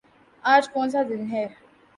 آج کونسا دن ہے؟